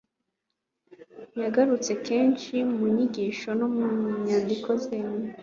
yagarutse kenshi mu nyigisho no mu nyandiko ze